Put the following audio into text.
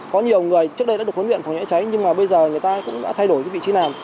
có nhiều người trước đây đã được huấn luyện phòng cháy cháy nhưng mà bây giờ người ta cũng đã thay đổi vị trí này